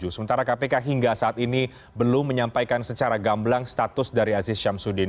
sementara kpk hingga saat ini belum menyampaikan secara gamblang status dari aziz syamsuddin